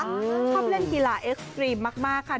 ชอบเล่นกีฬาเอ็กซ์ตรีมมากค่ะ